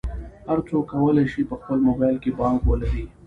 هر څوک کولی شي په خپل موبایل کې بانک ولري.